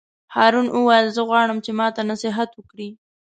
هارون وویل: زه غواړم چې ماته نصیحت وکړې.